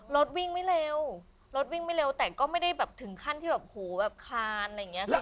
รถวิ่งไม่เร็วรถวิ่งไม่เร็วแต่ก็ไม่ได้แบบถึงขั้นที่แบบหูแบบคลานอะไรอย่างนี้